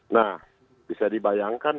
nah bisa dibayangkan